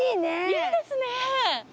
いいですね。